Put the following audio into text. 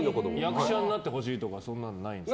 役者になってほしいとかないんですか？